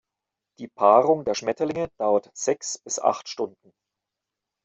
Die Paarung der Schmetterlinge dauert sechs bis acht Stunden.